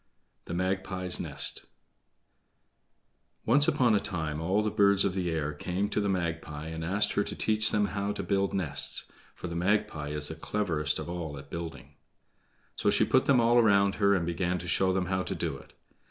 The Magpie's Nest Once upon a time all the birds of the air came to the Magpie and asked her to teach them how to build nests, for the Magpie is the cleverest of all at building. So she put them all around her and began to show them how to do it.